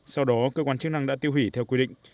sau đó cơ quan chức năng đã tiêu hủy theo quy định